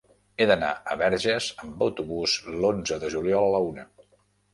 He d'anar a Verges amb autobús l'onze de juliol a la una.